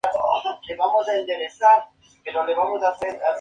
Según Estrabón, en las columnas de la entrada los navegantes hacían sus sacrificios.